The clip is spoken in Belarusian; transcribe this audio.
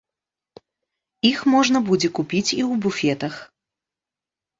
Іх можна будзе купіць і ў буфетах.